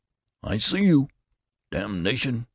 I see you! Damnation!"